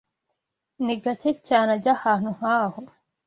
Ni gake cyane ajya ahantu nkaho.